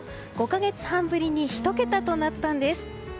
５か月半ぶりに１桁となったんです。